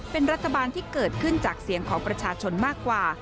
เป็นรัฐบาลที่เกิดขึ้นจากเสียงของประชาชนมากกว่า